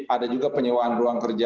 ada juga penyewaan ruang kerja